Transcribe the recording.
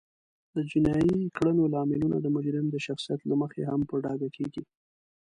د جینایي کړنو لاملونه د مجرم د شخصیت له مخې هم په ډاګه کیږي